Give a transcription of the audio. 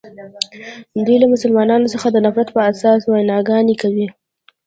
دوی له مسلمانانو څخه د نفرت په اساس ویناګانې کوي.